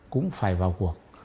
cũng phải vào cuộc